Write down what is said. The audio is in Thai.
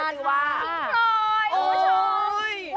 ๒น้องพิ้งพลอย